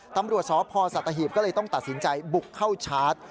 ตำรวจสพสัตหีบก็เลยต้องตัดสินใจบุกเข้าชาร์จ